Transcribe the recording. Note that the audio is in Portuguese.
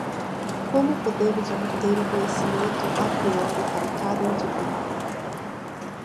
Como podemos obter um conhecimento a priori para cada indivíduo?